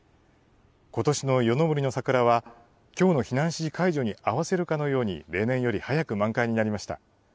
ことしの夜の森の桜は、きょうの避難指示解除に合わせるかのように、例年より早く満開になりました。